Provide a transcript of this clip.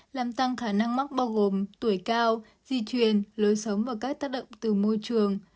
làm tăng khả năng mắc bao gồm tuổi cao di truyền lối sống và các tác động từ môi trường